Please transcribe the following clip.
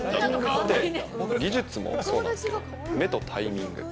バッティングって、技術もそうなんですけど、目とタイミング。